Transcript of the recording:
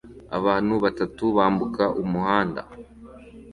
Abantu batatu bambuka umuhanda